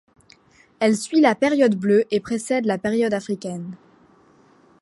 Elle suit la période bleue et précède la période africaine.